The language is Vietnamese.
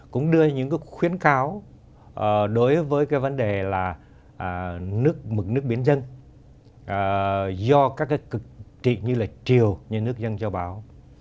cũng đưa những khuyến cáo đối với cái vấn đề là nước biển dân do các cực trị như là triều như nước dân cho báo